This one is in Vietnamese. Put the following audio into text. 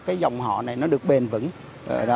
cái dòng họ này nó được bền vững